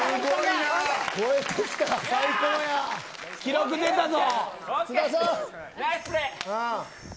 記録出たぞ。